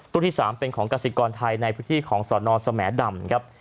ตู้ที่๓เป็นของกษิกรไทยในพืชที่ของสอนอสมดำ